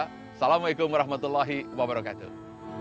assalamu'alaikum warahmatullahi wabarakatuh